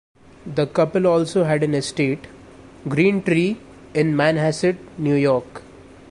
The couple also had an estate, Greentree, in Manhasset, New York.